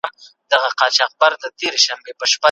خو جنتیکي شواهد دا ادعا نه تأییدوي.